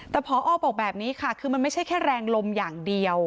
แต่พอบอกแบบนี้ค่ะคือมันไม่ใช่แค่แรงลมอย่างเดียว